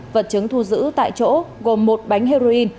vật chứng thu giữ tại chỗ gồm một bánh heroin